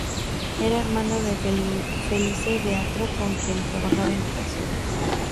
Era hermano de Felice Beato, con quien trabajaba en ocasiones.